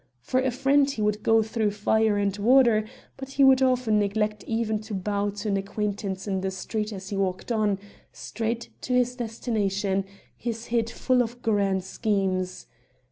For a friend he would go through fire and water, but he would often neglect even to bow to an acquaintance in the street as he walked on, straight to his destination, his head full of grand schemes.